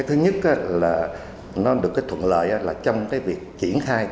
thứ nhất là nó được thuận lợi trong việc triển khai